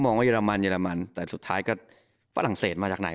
มองว่าเยอรามันเยอรมันอะไรสุดท้ายกับฝรั่งเศสมาจากไหน